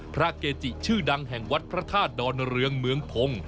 พระเกจิชื่อดังแห่งวัดพระธาตุดอนเรืองเมืองพงศ์